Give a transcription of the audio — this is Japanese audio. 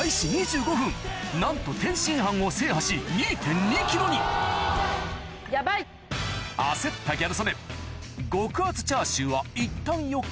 なんと天津飯を制覇し焦ったギャル曽根極厚チャーシューはいったんよけ